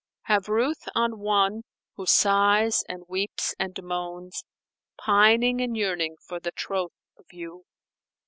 Have ruth on one who sighs and weeps and moans, * Pining and yearning for the troth of you."